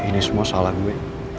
ini semua salah gue